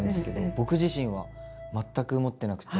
僕自身は全く持ってなくて。